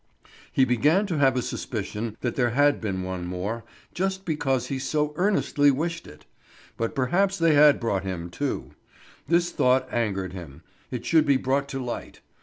He began to have a suspicion that there had been one more, just because he so earnestly wished it. But perhaps they had bought him too. This thought angered him. It should be brought to light.